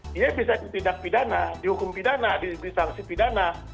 dia bisa ditindak pidana dihukum pidana disangsi pidana